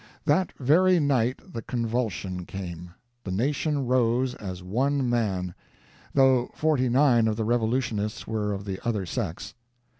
That very night the convulsion came. The nation rose as one man though forty nine of the revolutionists were of the other sex.